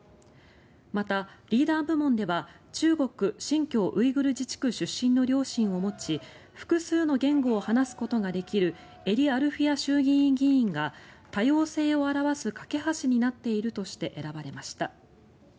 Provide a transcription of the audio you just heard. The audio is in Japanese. また、リーダー部門では中国・新疆ウイグル自治区出身の両親を持ち複数の言語を話すことができる英利アルフィヤ衆議院議員が多様性を表す懸け橋になっているとして選ばれました。